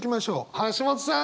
橋本さん。